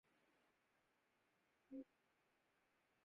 شہیدِ تشنہ لبِ کربلا کہیں اُس کو